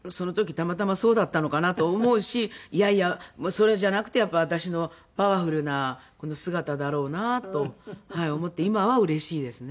たまたまそうだったのかなと思うしいやいやそれじゃなくてやっぱ私のパワフルな姿だろうなと思って今はうれしいですね。